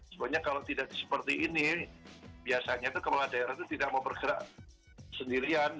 sebenarnya kalau tidak seperti ini biasanya itu kepala daerah itu tidak mau bergerak sendirian